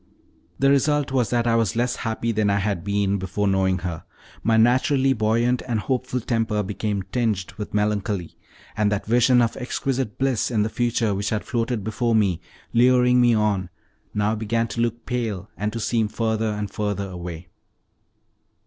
The result was that I was less happy than I had been before knowing her: my naturally buoyant and hopeful temper became tinged with melancholy, and that vision of exquisite bliss in the future, which had floated before me, luring me on, now began to look pale, and to seem further and further away.